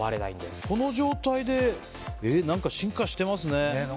この状態で何か進化してますね。